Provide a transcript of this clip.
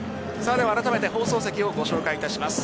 あらためて放送席をご紹介いたします。